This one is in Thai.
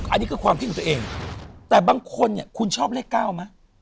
อันนี้ก็ความคิดของตัวเองแต่บางคนคุณชอบเลข๙มั้ย